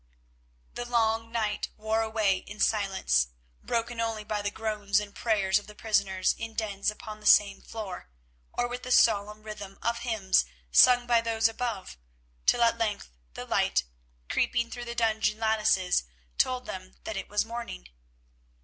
The long night wore away in silence, broken only by the groans and prayers of prisoners in dens upon the same floor, or with the solemn rhythm of hymns sung by those above, till at length the light, creeping through the dungeon lattices, told them that it was morning.